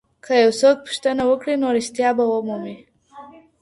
که يو څوک پوښتنه وکړي نو رښتيا به ومومي.